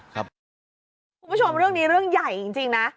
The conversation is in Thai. คุณผู้ชมเรื่องนี้เรื่องใหญ่จริงนะ